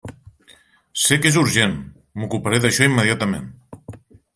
Sé que és urgent, m'ocuparé d'això immediatament.